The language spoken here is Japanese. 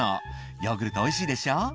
「ヨーグルトおいしいでしょ？